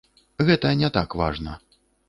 Гэта не так важна.